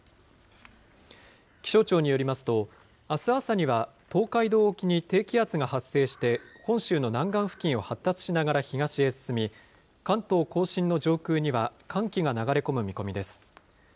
気象庁によりますと、あす朝には東海道沖に低気圧が発生して、本州の南岸付近を発達しながら東へ進み、関東甲信の上空には寒気が流れ込む見込みです。